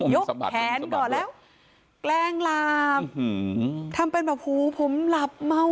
กแขนก่อนแล้วแกล้งลามทำเป็นแบบหูผมหลับเมา